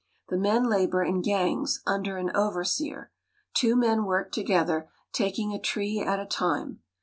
The men labor in gangs, under an overseer. Two men work together, taking a tree at a time.